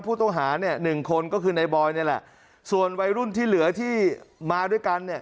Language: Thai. ผู้ต้องหาเนี่ยหนึ่งคนก็คือในบอยนี่แหละส่วนวัยรุ่นที่เหลือที่มาด้วยกันเนี่ย